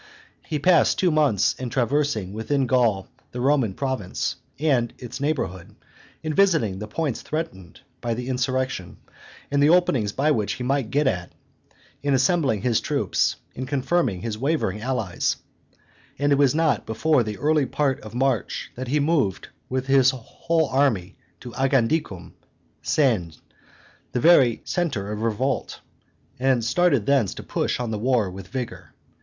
he passed two months in traversing within Gaul the Roman province and its neighborhood, in visiting the points threatened by the insurrection, and the openings by which he might get at it, in assembling his troops, in confirming his wavering allies; and it was not before the early part of March that he moved with his whole army to Agendicum (Sens), the very centre of revolt, and started thence to push on the war with vigor.